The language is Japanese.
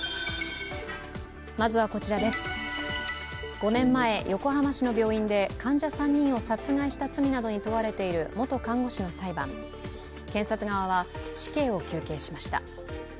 ５年前、横浜市の病院で患者３人を殺害した罪に問われている元看護師の裁判検察側は死刑を求刑しました。